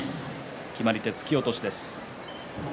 決まり手は突き落とし。